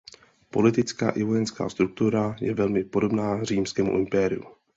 Politická i vojenská struktura je velmi podobná Římskému impériu.